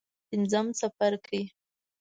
پنځم څپرکی.